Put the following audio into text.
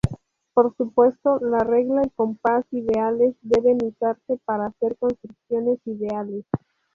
Por supuesto, la regla y compás ideales deben usarse para hacer construcciones ideales.